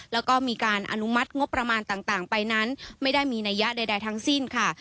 แล้วก็มีการอนุมัติงบประมาณต่างไปนั้นไม่ได้มีนัยยะใดทั้งสิ้นค่ะ